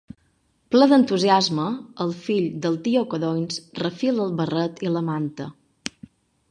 Ple d'entusiasme, el fill del tio Codonys refila el barret i la manta.